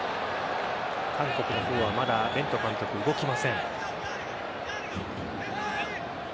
韓国の方は、まだベント監督、動きません。